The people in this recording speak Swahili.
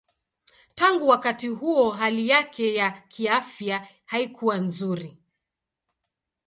Tangu wakati huo hali yake ya kiafya haikuwa nzuri.